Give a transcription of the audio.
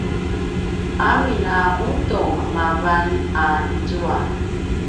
amin a ’udung mavan a izua